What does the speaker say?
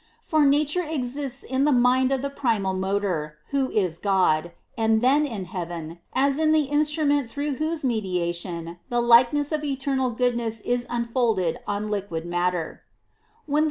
For Nature e xists in th e mind_of the Primal ^Motor. wlioJs ^Goiiand then in neaven, as in the in strument through whose meHiarion the likeness of eternal good ne ss IS unfolded pn fluid m^tte^' * When the 1.